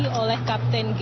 pilih dari nemu